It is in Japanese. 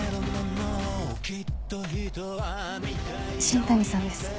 新谷さんです